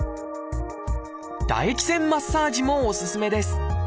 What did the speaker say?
唾液腺マッサージもおすすめです。